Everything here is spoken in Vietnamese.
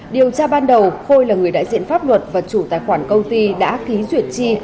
điều tra ban đầu khôi là người đại diện pháp luật và chủ tài khoản công ty đã ký duyệt chi